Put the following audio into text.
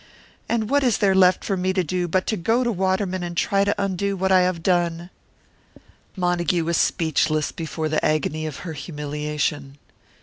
And what is there left for me to do but go to Waterman and try to undo what I have done?" Montague was speechless, before the agony of her humiliation.